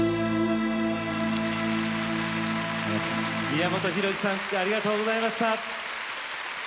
宮本浩次さんありがとうございました。